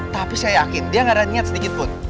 tapi saya yakin dia gak ada niat sedikit pun